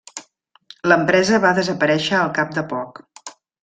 L'empresa va desaparèixer al cap de poc.